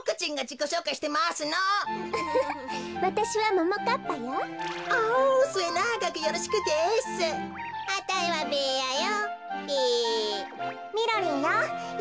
みろりんよ。